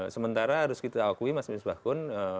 sementara harus kita akui mas misbah kun